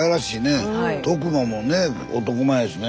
徳磨もね男前やしね。